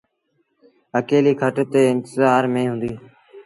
اڪيليٚ کٽ تي انتزآر ميݩ هُݩدي۔